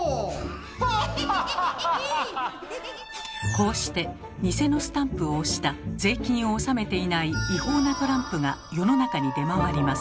こうしてニセのスタンプを押した税金を納めていない違法なトランプが世の中に出回ります。